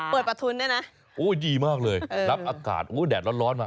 ประทุนด้วยนะโอ้ดีมากเลยรับอากาศโอ้แดดร้อนมา